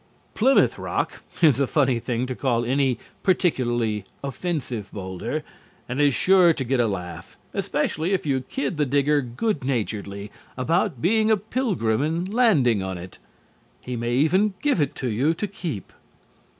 "Plymouth Rock" is a funny thing to call any particularly offensive boulder, and is sure to get a laugh, especially if you kid the digger good naturedly about being a Pilgrim and landing on it. He may even give it to you to keep.